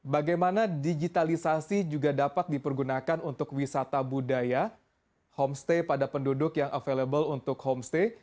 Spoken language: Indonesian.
bagaimana digitalisasi juga dapat dipergunakan untuk wisata budaya homestay pada penduduk yang available untuk homestay